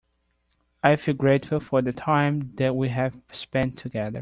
I feel grateful for the time that we have spend together.